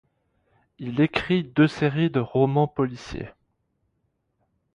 Il écrit deux séries de romans policiers.